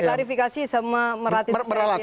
klarifikasi sama meralat